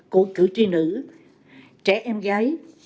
của cử tri nữ trẻ em gái